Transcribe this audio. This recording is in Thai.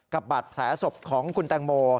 กับบัตรแถสบของคุณแตงโม